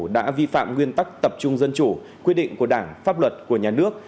đã vi phạm nguyên tắc tập trung dân chủ quy định của đảng pháp luật của nhà nước